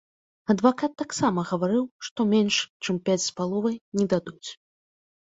Адвакат таксама гаварыў, што менш чым пяць з паловай не дадуць.